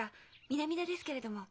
南田ですけれども。